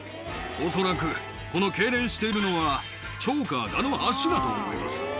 恐らくこのけいれんしているのは、チョウやガの脚だと思います。